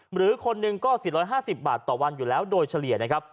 หรือคนหนึ่งก็๔๕๐บาทต่อวันอยู่แล้วโดยเฉลี่ยนะครับ